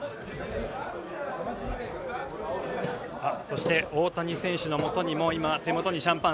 そして、大谷選手のもとにも手元に今、シャンパン。